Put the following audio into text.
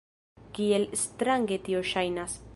Kiel strange tio ŝajnas!